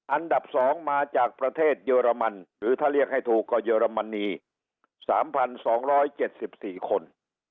อันดับ๒มาจากประเทศเยอรมันหรือถ้าเรียกให้ถูกก็เยอรมนี๓๒๗๔คน